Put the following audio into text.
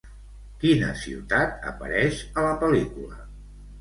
Quina ciutat apareix a la pel·lícula?